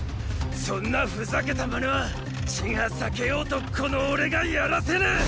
そんなふざけたマネは地が裂けようとこの俺がやらせねェ！！